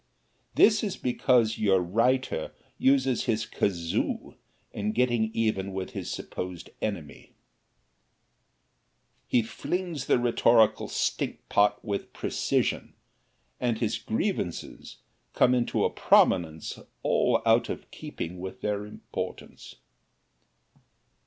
This is because your writer uses his kazoo in getting even with his supposed enemy he flings the rhetorical stinkpot with precision, and his grievances come into a prominence all out of keeping with their importance.